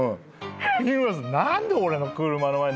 日村さん「何で俺の車の前に」